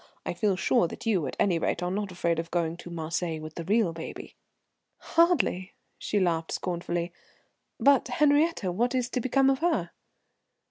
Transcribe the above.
I feel sure that you, at any rate, are not afraid of going to Marseilles with the real baby." "Hardly!" she laughed scornfully. "But Henriette what is to become of her?"